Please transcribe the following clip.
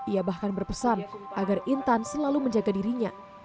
ia bahkan berpesan agar intan selalu menjaga dirinya